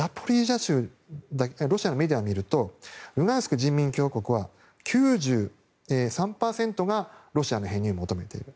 ロシアのメディアを見るとルガンスク人民共和国は９３％がロシアの編入を求めている。